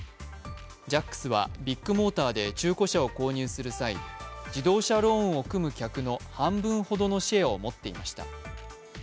ジャックスはビッグモーターで中古車を購入する際、自動車ローンを組む客の半分ほどのシェアを持っていました。